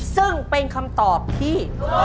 ซึ่งเป็นคำตอบที่